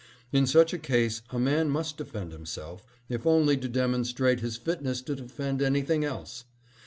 In such a case a man must defend himself, if only to demonstrate his fitness to defend anything else.